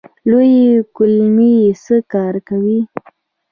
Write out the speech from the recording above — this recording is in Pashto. لویې کولمې څه کار کوي؟